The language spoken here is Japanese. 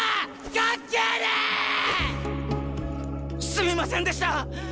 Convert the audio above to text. すみませんでした！